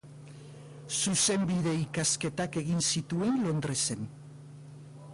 Zuzenbide ikasketak egin zituen Londresen.